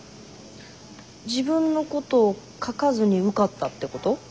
自分のことを書かずに受かったってこと？